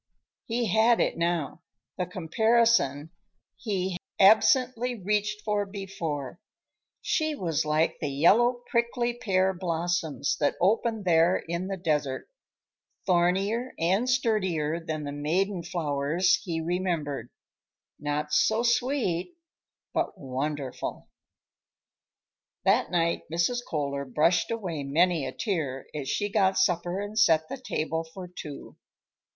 He had it now, the comparison he had absently reached for before: she was like the yellow prickly pear blossoms that open there in the desert; thornier and sturdier than the maiden flowers he remembered; not so sweet, but wonderful. That night Mrs. Kohler brushed away many a tear as she got supper and set the table for two.